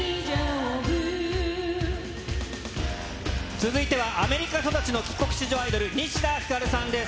続いては、アメリカ育ちの帰国子女アイドル、西田ひかるさんです。